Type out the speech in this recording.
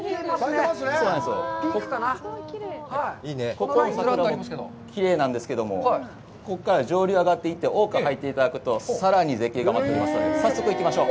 ここからの桜もきれいなんですけど、ここから上流に上がっていただいて大川に入るとさらに絶景が待っておりますので、早速行きましょう。